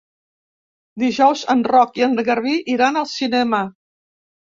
Dijous en Roc i en Garbí iran al cinema.